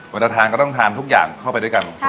เวลาทานก็ต้องทานทุกอย่างเข้าไปด้วยกัน